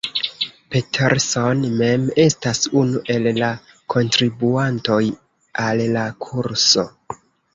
Peterson mem estas unu el la kontribuantoj al la kurso.